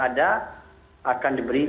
ada akan diberi